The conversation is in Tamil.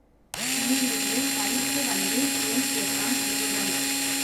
நீ இங்குத் தனித்து வந்தது ஏன்? கேட்டான் விதுரன்.